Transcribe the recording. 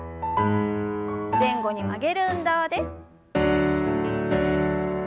前後に曲げる運動です。